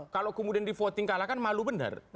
kalau kemudian di voting kalah kan malu benar